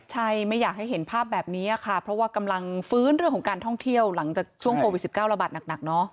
ใช่ไม่อยากให้เห็นภาพแบบนี้ค่ะเพราะว่ากำลังฟื้นเรื่องของการท่องเที่ยวหลังจากช่วงโควิด๑๙ระบาดหนักเนอะ